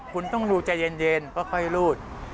คุณต้องดูเจริญก็ค่อยลูด